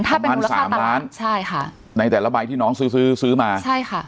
ประมาณสามล้านใช่ค่ะในแต่ละใบที่น้องซื้อซื้อซื้อมาใช่ค่ะ